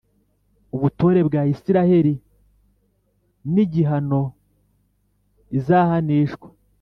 Ubutore bwa Israheli n’igihano izahanishwa